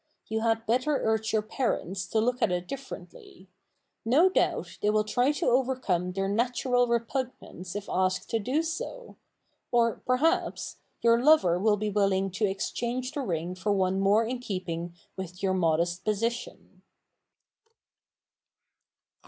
You had better urge your parents to look at it differently. No doubt they will try to overcome their natural repugnance if asked to do so—or, perhaps, your lover will be willing to exchange the ring for one more in keeping with your modest position.